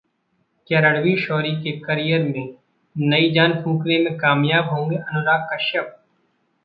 क्या रणवीर शौरी के करियर में नई जान फूंकने में कामयाब होंगे अनुराग कश्यप?